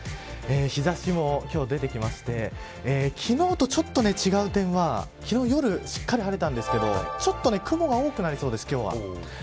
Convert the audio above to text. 日差しも出てきまして昨日とちょっと違う点は昨日は夜しっかり晴れたんですけどちょっと雲が多くなりそうです今日は。